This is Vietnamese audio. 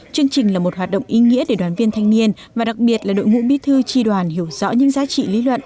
chương trình là một hoạt động ý nghĩa để đoàn viên thanh niên và đặc biệt là đội ngũ bí thư tri đoàn hiểu rõ những giá trị lý luận